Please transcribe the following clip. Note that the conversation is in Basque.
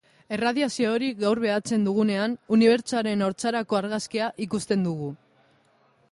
Erradiazio hori gaur behatzen dugunean, unibertsoaren haurtzaroko argazkia ikusten dugu.